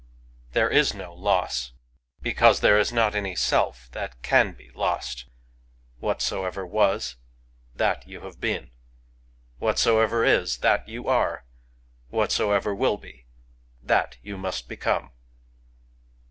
There is no loss — because there is not any Self that can be lost. Whatsoever was, that you have been; — whatsoever is, that you are; — whatsoever will be, that you must become.